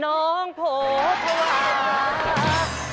น้องโผทวา